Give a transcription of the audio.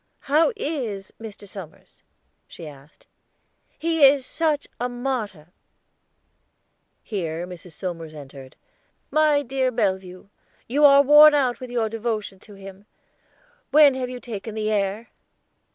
"How is Mr. Somers?" she asked. "He is such a martyr." Here Mrs. Somers entered. "My dear Bellevue, you are worn out with your devotion to him; when have you taken the air?"